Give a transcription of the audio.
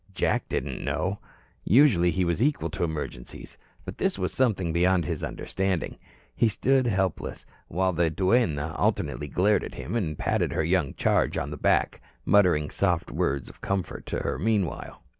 Jack didn't know. Usually, he was equal to emergencies, but this one was something beyond his understanding. He stood helpless, while the duenna alternately glared at him and patted her young charge on the back, muttering soft words of comfort to her meanwhile.